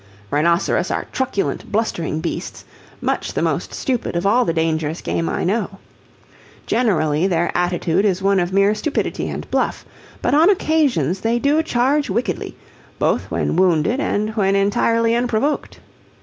Rhinoceros are truculent, blustering beasts, much the most stupid of all the dangerous game I know. Generally their attitude is one of mere stupidity and bluff. But on occasions they do charge wickedly, both when wounded and when entirely unprovoked.